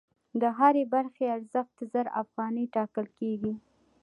د هرې برخې ارزښت زر افغانۍ ټاکل کېږي